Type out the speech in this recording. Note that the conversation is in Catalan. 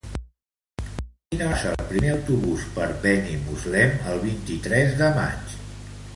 A quina hora passa el primer autobús per Benimuslem el vint-i-tres de maig?